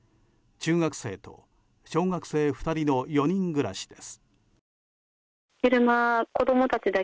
中学生と小学生２人の４人暮らしです。